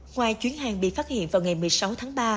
ngoài chuyến hàng bị phát hiện vào ngày một mươi sáu tháng ba